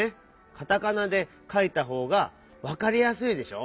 カタカナでかいたほうがわかりやすいでしょ？